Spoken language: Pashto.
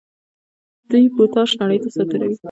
دوی پوټاش نړۍ ته صادروي.